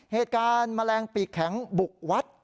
เหตุการณ์มัลแรงปีกแข็งบุกวัด